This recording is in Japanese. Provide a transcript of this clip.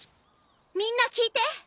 みんな聞いて。